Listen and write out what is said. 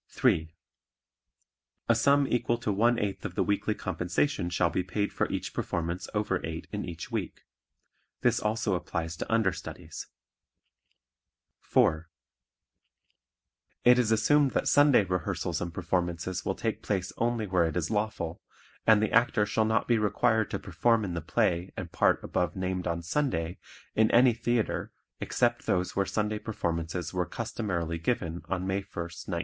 (3) A sum equal to one eighth of the weekly compensation shall be paid for each performance over eight in each week. (This also applies to understudies.) (4) It is assumed that Sunday rehearsals and performances will take place only where it is lawful, and the Actor shall not be required to perform in the play and part above named on Sunday in any theatre except those where Sunday performances were customarily given on May 1, 1924.